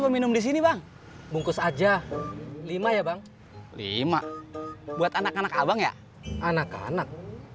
minum di sini bang bungkus aja lima ya bang lima buat anak anak abang ya anak anak